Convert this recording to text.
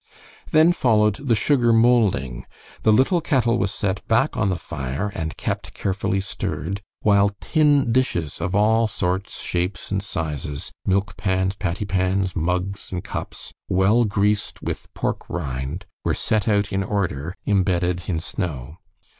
Then followed the sugar molding. The little kettle was set back on the fire and kept carefully stirred, while tin dishes of all sorts, shapes, and sizes milk pans, pattie pans, mugs, and cups well greased with pork rind, were set out in order, imbedded in snow.